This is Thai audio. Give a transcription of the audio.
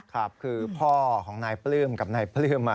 ครับคือพ่อของนายปลื้มกับนายปลื้ม